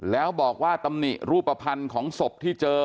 แล้วบอกว่าตำหนิรูปภัณฑ์ของศพที่เจอ